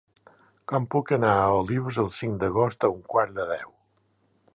Com puc anar a Olius el cinc d'agost a un quart de deu?